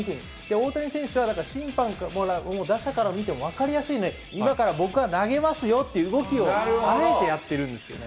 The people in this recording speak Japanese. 大谷選手は、だから審判から、打者から見ても、分かりやすい、今から僕は投げますよっていう動きをあえてやってるんですよね。